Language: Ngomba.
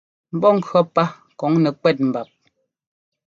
Mbɔ́ŋkʉ̈ɔ́ pá kɔŋ nɛkwɛ́t mbap.